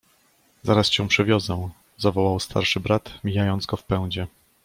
— Zaraz cię przewiozę! — zawołał starszy brat, mijając go w pędzie.